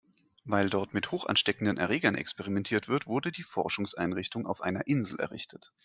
Weil dort mit hochansteckenden Erregern experimentiert wird, wurde die Forschungseinrichtung auf einer Insel errichtet.